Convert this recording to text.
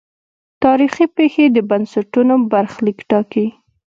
تاریخي پېښې د بنسټونو برخلیک ټاکي.